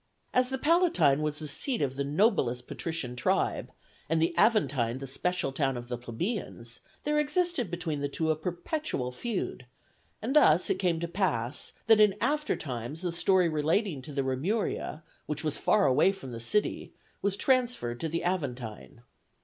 As the Palatine was the seat of the noblest patrician tribe, and the Aventine the special town of the plebeians, there existed between the two a perpetual feud, and thus it came to pass that in after times the story relating to the Remuria, which was far away from the city, was transferred to the Aventine.